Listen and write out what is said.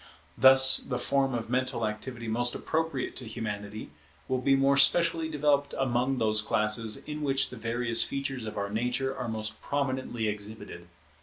Thus the form of mental activity most appropriate to Humanity will be more specially developed among those classes in which the various features of our nature are most prominently exhibited.